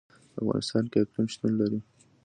په افغانستان کې اقلیم شتون لري.